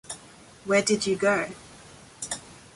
Where Did You Go?